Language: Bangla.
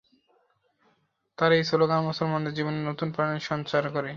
তাঁর এই শ্লোগান মুসলমানদের জীবনে নতুন প্রাণের সঞ্চার করে।